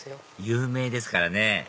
有名ですからね